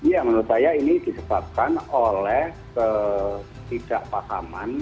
ya menurut saya ini disebabkan oleh ketidakpahaman